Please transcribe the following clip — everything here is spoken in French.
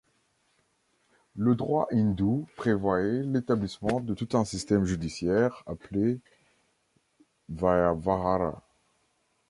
Le droit hindou prévoyait l'établissement de tout un système judiciaire, appelé Vyavahāra.